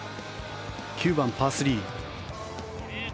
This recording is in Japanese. ９番、パー３。